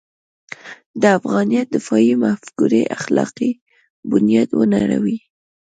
د افغانیت دفاعي مفکورې اخلاقي بنیاد ونړوي.